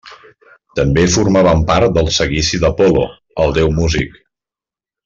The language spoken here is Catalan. També formaven part del seguici d'Apol·lo, el déu músic.